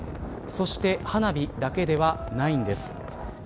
そして花火だけではないんです。